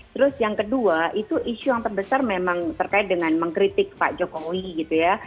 terus yang kedua itu isu yang terbesar memang terkait dengan mengkritik pak jokowi gitu ya